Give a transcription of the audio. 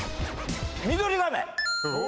ミドリガメ！